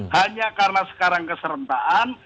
hanya karena sekarang keserentaan